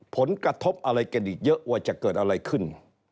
ผลกระทบอะไรกันอีกเยอะว่าจะเกิดอะไรขึ้น